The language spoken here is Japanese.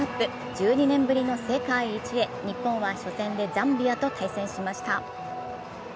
１２年ぶりの世界一へ日本は初戦でザンビアと対戦しました。